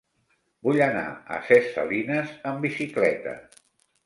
Vull anar a Ses Salines amb bicicleta.